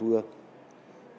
của người đứng đầu